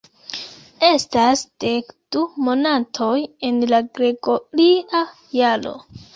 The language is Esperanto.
Estas dek du monatoj en la gregoria jaro.